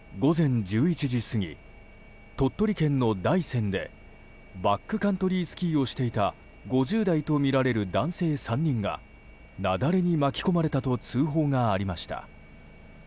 午前１１時過ぎ鳥取県の大山でバックカントリースキーをしていた５０代とみられる男性３人が雪崩に巻き込まれたと通報がありました。